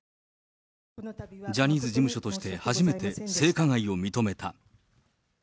ジャニーズ事務所として初めて性加害を認めた。